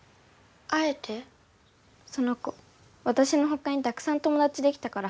その子わたしのほかにたくさん友だちできたから。